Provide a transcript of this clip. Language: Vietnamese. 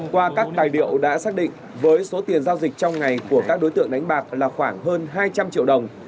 qua các tài liệu đã xác định với số tiền giao dịch trong ngày của các đối tượng đánh bạc là khoảng hơn hai trăm linh triệu đồng